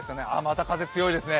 また風強いですね。